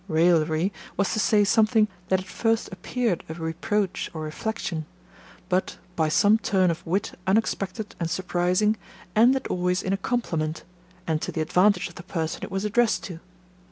Raillery was to say something that at first appeared a reproach or reflection; but, by some turn of wit unexpected and surprising, ended always in a compliment, and to the advantage of the person it was addressed to.